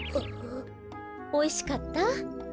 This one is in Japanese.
おいしかった？